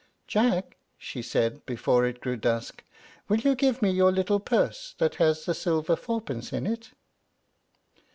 "Jack," she said, before it grew dusk, "will you give me your little purse that has the silver fourpence in it?"